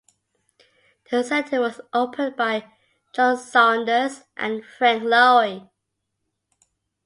The centre was opened by John Saunders and Frank Lowy.